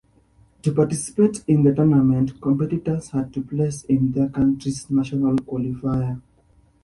To participate in the tournament, competitors had to place in their country's national qualifier.